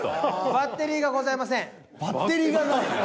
バッテリーがない。